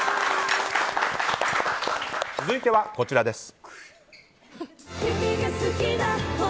続いてはこちらです。